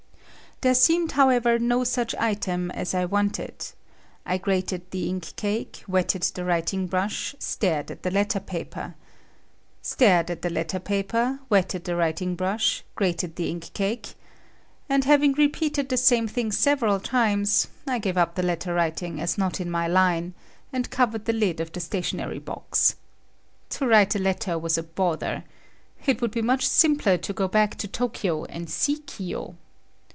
There seemed, however, no such item as I wanted. I grated the ink cake, wetted the writing brush, stared at the letter paper—stared at the letter paper, wetted the writing brush, grated the ink cake—and, having repeated the same thing several times, I gave up the letter writing as not in my line, and covered the lid of the stationery box. To write a letter was a bother. It would be much simpler to go back to Tokyo and see Kiyo.